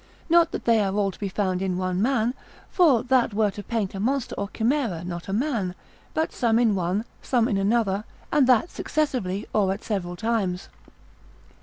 Not that they are all to be found in one man, for that were to paint a monster or chimera, not a man: but some in one, some in another, and that successively or at several times.